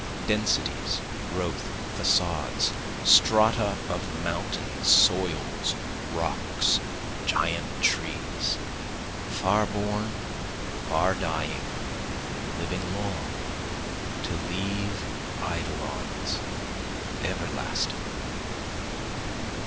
Densities, growth, facades, Strata of mountains, soils, rocks, giant trees, Far born, far dying, living long, to leave, Eidolons everlasting.